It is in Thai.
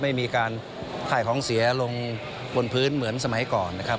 ไม่มีการขายของเสียลงบนพื้นเหมือนสมัยก่อนนะครับ